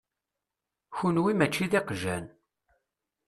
Kunwi mačči d iqjan.